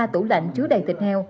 ba tủ lạnh chứa đầy thịt heo